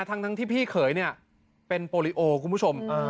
ทั้งที่พี่เขยเนี่ยเป็นโปรลิโอคุณผู้ชม